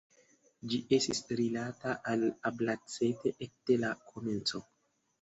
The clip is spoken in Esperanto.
Ĝi estis rilata al Albacete ekde la komenco.